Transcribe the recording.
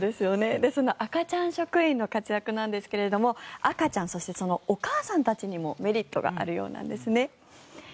その赤ちゃん職員の活躍なんですが赤ちゃんそしてそのお母さんたちにもメリットがあるようなんですね。